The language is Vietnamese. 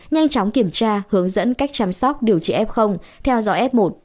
nhanh chóng kiểm tra hướng dẫn cách chăm sóc điều trị f theo dõi f một